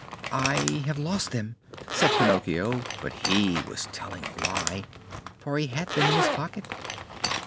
"I have lost them!" said Pinocchio, but he was telling a lie, for he had them in his pocket.